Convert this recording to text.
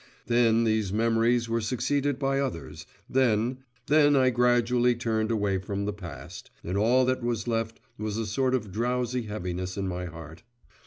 … Then these memories were succeeded by others, then … then I gradually turned away from the past, and all that was left was a sort of drowsy heaviness in my heart.